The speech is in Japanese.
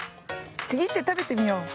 ちぎってたべてみよう。